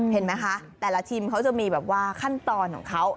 เห็นไหมคะแต่ละทีมเขาจะมีแบบว่าขั้นตอนของเขา